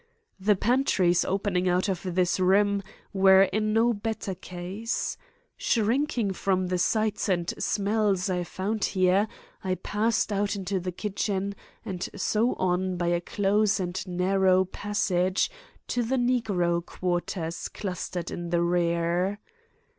The pantries opening out of this room were in no better case. Shrinking from the sights and smells I found there, I passed out into the kitchen and so on by a close and narrow passage to the negro quarters clustered in the rear.